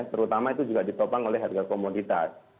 terutama itu juga ditopang oleh harga komoditas